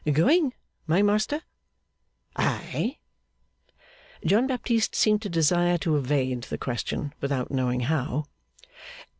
'Going, my master?' 'Ay!' John Baptist seemed to desire to evade the question without knowing how.